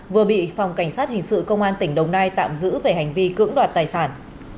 vừa bị phòng cảnh sát hình sự công an tỉnh đồng nai tạm giữ về hành vi cưỡng đoạt tài sản